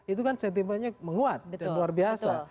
itu kan sentimennya menguat dan luar biasa